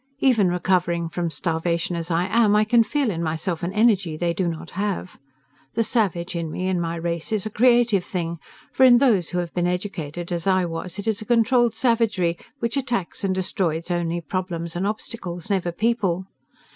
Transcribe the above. Even recovering from starvation as I am, I can feel in myself an energy they do not have. The savage in me and my race is a creative thing, for in those who have been educated as I was it is a controlled savagery which attacks and destroys only problems and obstacles, never people.